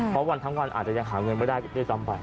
เพราะวันทั้งวันอาจจะยังหาเงินไม่ได้ด้วยซ้ำไป